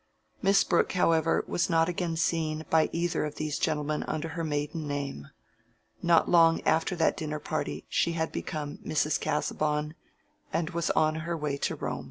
Miss Brooke, however, was not again seen by either of these gentlemen under her maiden name. Not long after that dinner party she had become Mrs. Casaubon, and was on her way to Rome.